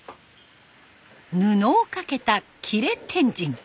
布をかけた布天神。